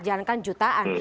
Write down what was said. jangan kan jutaan